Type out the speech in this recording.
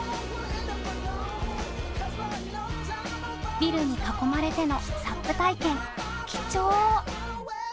ビルに囲まれてのＳＵＰ体験、貴重！